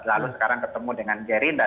lalu sekarang ketemu dengan gerindra